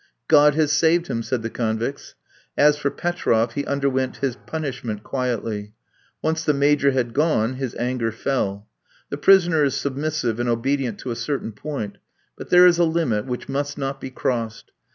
"God has saved him!" said the convicts. As for Petroff, he underwent his punishment quietly. Once the Major had gone, his anger fell. The prisoner is submissive and obedient to a certain point, but there is a limit which must not be crossed.